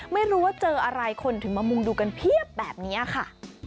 ไม่รู้ว่าเจออะไรคนถึงมามุงดูกันเพียบแบบนี้ค่ะ